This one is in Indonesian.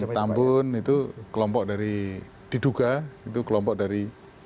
tambun itu kelompok dari diduga itu kelompok dari